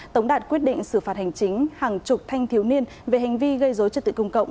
tống đạt quyết định xử phạt hành chính hàng chục thanh thiếu niên về hành vi gây dối trật tự công cộng